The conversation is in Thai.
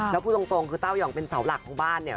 แล้วพูดตรงคือเต้ายองเป็นเสาหลักของบ้านเนี่ย